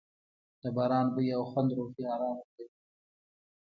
د باران بوی او خوند روحي آرام ورکوي.